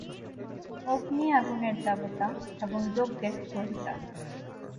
অগ্নি আগুনের দেবতা এবং যজ্ঞের গ্রহীতা।